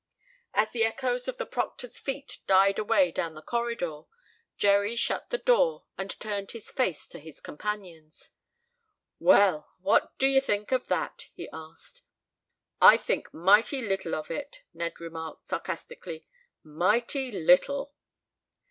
As the echoes of the proctor's feet died away down the corridor, Jerry shut the door and turned to face his companions. "Well, what do you think of that?" he asked. "I think mighty little of it," Ned remarked, sarcastically. "Mighty little."